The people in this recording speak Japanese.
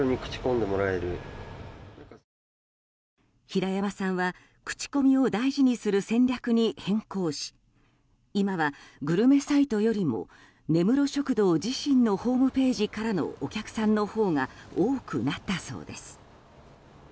平山さんは口コミを大事にする戦略に変更し今は、グルメサイトよりも根室食堂自身のホームページからのお客さんのほうが多くなったそうです。